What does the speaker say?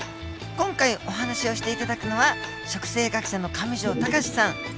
今回お話をして頂くのは植生学者の上條隆志さん。